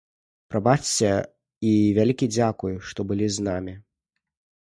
Прабачце і вялікі дзякуй, што былі з намі!